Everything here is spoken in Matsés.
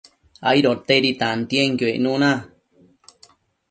aidotedi tantienquio icnuna